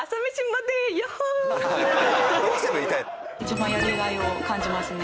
一番やりがいを感じますね。